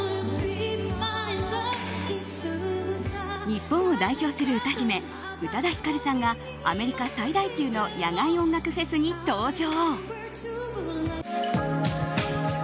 日本を代表する歌姫宇多田ヒカルさんがアメリカ最大級の野外音楽フェスに登場。